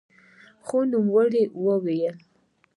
خو نوموړی وايي